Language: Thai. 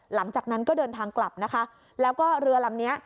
หลังจากนั้นก็เดินทางกลับนะคะแล้วก็เรือลำเนี้ย